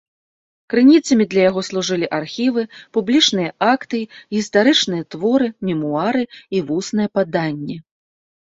Крыніцамі для яго служылі архівы, публічныя акты, гістарычныя творы, мемуары і вуснае паданне.